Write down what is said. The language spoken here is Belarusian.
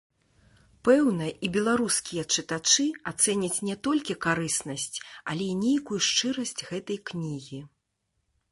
Пэўна, і беларускія чытачы ацэняць не толькі карыснасць, але і нейкую шчырасць гэтай кнігі.